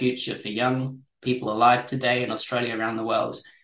untuk orang orang muda di australia dan di seluruh dunia